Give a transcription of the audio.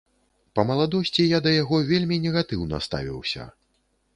Па маладосці я да яго вельмі негатыўна ставіўся.